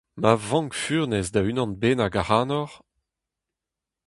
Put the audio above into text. Ma vank furnez da unan bennak ac’hanoc’h.